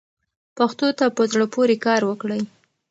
پښتو ته په زړه پورې کار وکړئ.